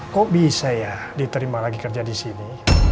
kok bisa ya diterima lagi kerja di sini